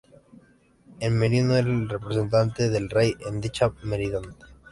El merino era el representante del rey en dicha merindad.